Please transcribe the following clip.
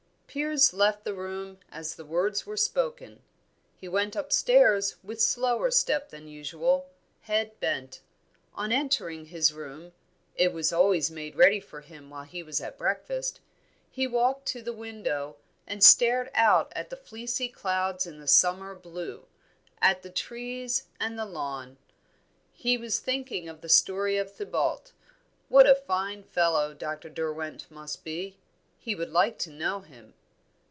Piers left the room as the words were spoken. He went upstairs with slower step than usual, head bent. On entering his room (it was always made ready for him while he was at breakfast), he walked to the window, and stared out at the fleecy clouds in the summer blue, at the trees and the lawn. He was thinking of the story of Thibaut. What a fine fellow Dr. Derwent must be! He would like to know him.